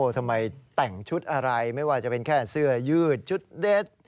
ทำไมแต่งชุดอะไรไม่ว่าจะเป็นแค่เสื้อยืดชุดเด็ด